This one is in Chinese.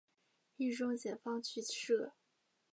冀中解放区设。